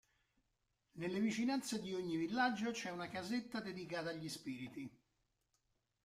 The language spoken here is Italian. Nelle vicinanze di ogni villaggio c'è una casetta dedicata agli spiriti.